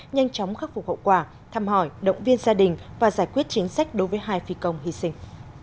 nhanh chóng khắc phục hậu quả thăm hỏi động viên gia đình và giải quyết chính sách đối với hai phi công hy sinh